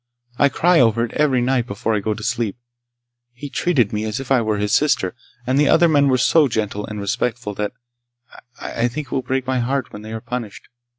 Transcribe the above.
I cry over it every night before I go to sleep. He treated me as if I were his sister, and the other men were so gentle and respectful that I ... I think it will break my heart when they are punished.